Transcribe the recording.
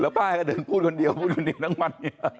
ป้าก็เดินพูดคนเดียวพูดคนเดียวทั้งวัน